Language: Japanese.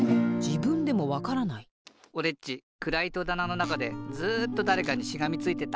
おれっちくらいとだなのなかでずっとだれかにしがみついてた。